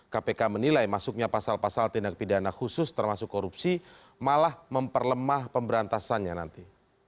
kpk menilai masuknya pasal pasal tindak pidana khusus termasuk korupsi malah memperlemah pemberantasannya nanti